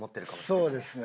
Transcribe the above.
そうですね。